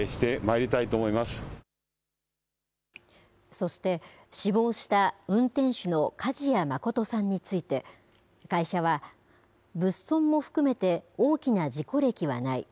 そして、死亡した運転手の梶谷誠さんについて、会社は、物損も含めて大きな事故歴はない。